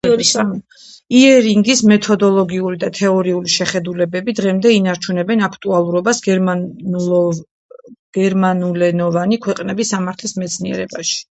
იერინგის მეთოდოლოგიური და თეორიული შეხედულებები დღემდე ინარჩუნებენ აქტუალურობას გერმანულენოვანი ქვეყნების სამართლის მეცნიერებაში.